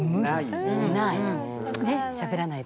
ない。